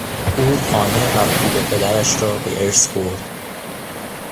او خانه و پول پدرش را به ارث برد.